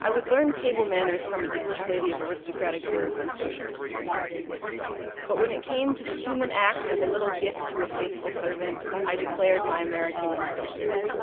I would learn table manners from an English lady of aristocratic birth and social experience; but when it came to the human act of a little gift to a faithful servant, I declared my American independence.